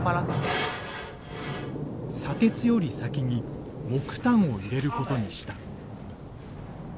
砂鉄より先に木炭を入れることにした。